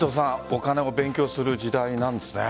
お金を勉強する時代なんですね。